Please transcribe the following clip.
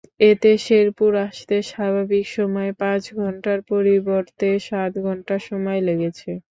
এতে শেরপুর আসতে স্বাভাবিক সময় পাঁচ ঘণ্টার পরিবর্তে সাত ঘণ্টা সময় লেগেছে।